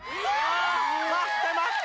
まってました！